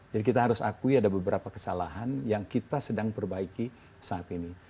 jadi kita harus akui ada beberapa kesalahan yang kita sedang perbaiki saat ini